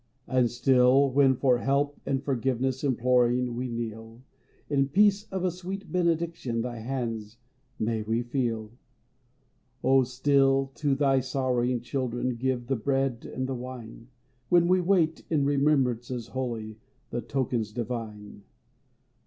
And still, when for help and forgiveness Imploring we kneel, In the peace of a sweet benediction. Thy hands may we feel. Oh, still, to thy sorrowing children, Give the Bread and the Wine ; When we wait, in remembrances holy, The tokens divine.